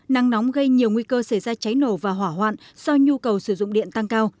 nắng nóng gây nhiều nguy cơ xảy ra cháy nổ và hỏa hoạn do nhu cầu sử dụng điện tăng cao